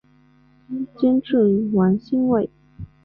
监制王心慰。